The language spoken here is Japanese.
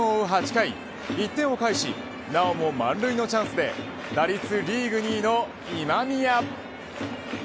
８回１点を返しなおも満塁のチャンスで打率リーグ２位の今宮。